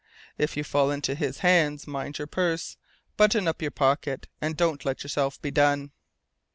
If you fall into his hands, mind your purse, button up your pocket, and don't let yourself be done."